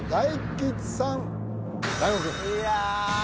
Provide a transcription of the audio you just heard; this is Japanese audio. いや。